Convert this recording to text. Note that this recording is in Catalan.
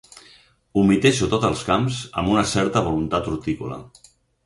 Humitejo tots els camps amb una certa voluntat hortícola.